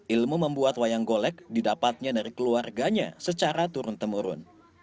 ilmu membuat wayang golek didapatnya dari keluarganya secara turun temurun